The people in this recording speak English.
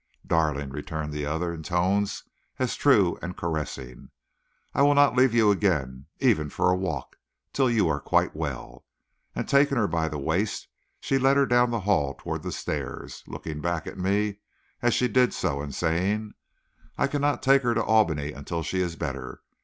"Darling," returned the other, in tones as true and caressing, "I will not leave you again, even for a walk, till you are quite well." And taking her by the waist, she led her down the hall toward the stairs, looking back at me as she did so, and saying: "I cannot take her to Albany until she is better.